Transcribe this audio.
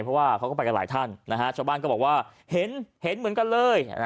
เพราะว่าเขาก็ไปกันหลายท่านนะฮะชาวบ้านก็บอกว่าเห็นเหมือนกันเลย